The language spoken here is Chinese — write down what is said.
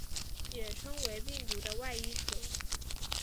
也称为病毒的外衣壳。